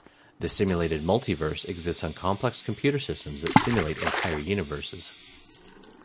The simulated multiverse exists on complex computer systems that simulate entire universes.